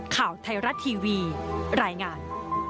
ข่าวไทยรัฐทีวีรายงาน